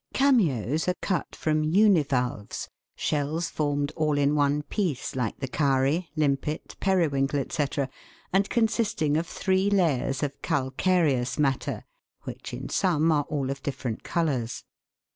Cameos are cut from univalves shells formed all in one piece, like the cowry, limpet, periwinkle, &c., and consisting of three layers of calcareous matter, which in some are all of different colours.